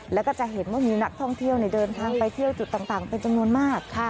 แล้วก็จะเห็นว่ามีนักท่องเที่ยวเดินทางไปเที่ยวจุดต่างเป็นจำนวนมาก